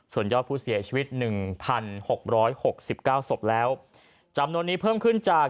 ส่วนยอดผู้เสียชีวิตหนึ่งพันหกร้อยหกสิบเก้าศพแล้วจำนวนนี้เพิ่มขึ้นจาก